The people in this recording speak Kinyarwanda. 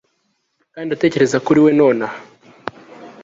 kandi ndatekereza kuri we nonaha